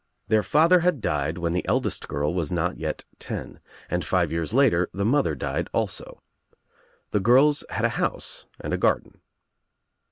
Their father had died when the eldest girl was not yet ten, and five years later the mother died also. The girls had a house and a garden.